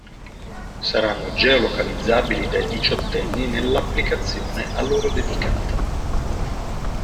Saranno geo-localizzabili dai diciottenni nell'applicazione a loro dedicata.